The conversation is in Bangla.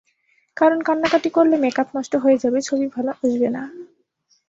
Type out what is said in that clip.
কারণ, কান্নাকাটি করলে মেকআপ নষ্ট হয়ে যাবে, ছবি ভালো আসবে না।